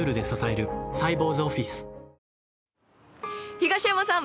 東山さん